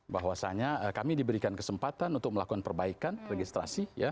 bahwasannya kami diberikan kesempatan untuk melakukan perbaikan registrasi